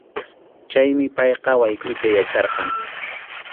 Chaymi payqa waykʼuyta yacharqan.